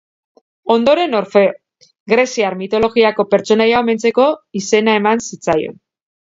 Ondoren Orfeo, greziar mitologiako pertsonaia omentzeko izena eman zitzaion.